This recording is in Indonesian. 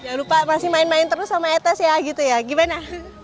jangan lupa pasti main main terus sama etes ya gitu ya gimana